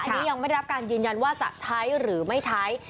อันนี้ยังไม่ได้รับการยืนยันว่าจะใช้หรือไม่ใช้